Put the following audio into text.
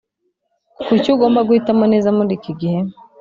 Kuki ugomba guhitamo neza muri iki gihe